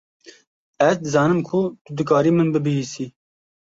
Ez dizanim ku tu dikarî min bibihîsî.